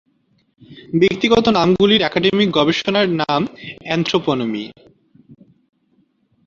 ব্যক্তিগত নামগুলির একাডেমিক গবেষণার নাম অ্যানথ্রোপনিমি।